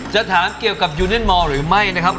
จะถามเกี่ยวกับยูเนียนมอร์หรือไม่นะครับ